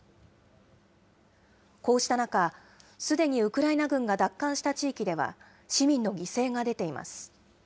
こうした中、すでにウクライナ軍が奪還した地域では、市民の犠牲が出ています。